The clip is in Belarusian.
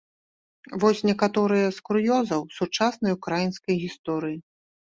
Вось некаторыя з кур'ёзаў сучаснай украінскай гісторыі.